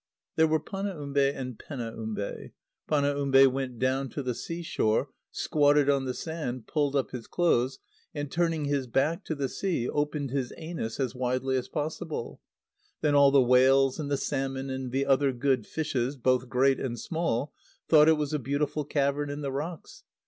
_ There were Panaumbe and Penaumbe. Panaumbe went down to the sea shore, squatted on the sand, pulled up his clothes, and, turning his back to the sea, opened his anus as widely as possible. Then all the whales and the salmon and the other good fishes, both great and small, thought it was a beautiful cavern in the rocks.